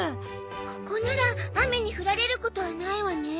ここなら雨に降られることはないわね。